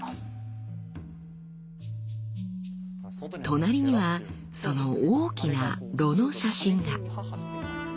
隣にはその大きな炉の写真が。